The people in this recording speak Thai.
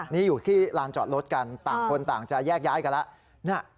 นี่อยู่ที่ลานจอดรถกันต่างคนต่างจะแยกย้ายกันแล้ว